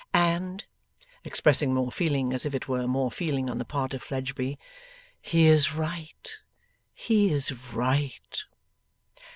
And,' expressing more feeling as if it were more feeling on the part of Fledgeby, 'he is right, he is right!